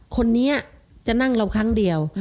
คนนี้จะนั่งเราครั้งเดียว